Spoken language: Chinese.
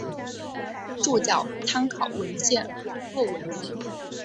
脚注参考文献网络文献